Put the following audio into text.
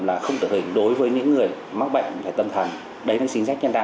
là không tự hình